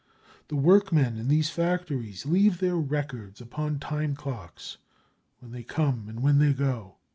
The workmen in these factories leave their records upon time clocks when they come and when they go.